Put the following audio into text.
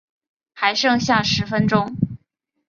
还剩下十分钟